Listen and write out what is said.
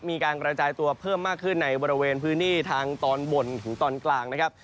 มีการกระจายตัวเพิ่มมากขึ้นในบริเวณพื้นที่ทางตอนบนถึงตอนกลางนะครับ